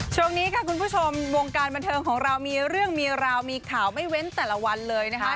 ช่วงนี้ค่ะคุณผู้ชมวงการบันเทิงของเรามีเรื่องมีราวมีข่าวไม่เว้นแต่ละวันเลยนะคะ